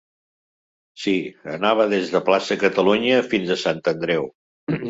Sí, anava des de plaça Catalunya fins a Sant Andreu.